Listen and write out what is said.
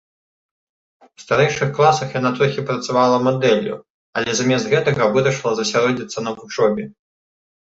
У старэйшых класах яна трохі працавала мадэллю, але замест гэтага вырашыла засяродзіцца на вучобе.